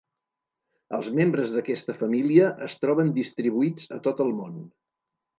Els membres d'aquesta família es troben distribuïts a tot el món.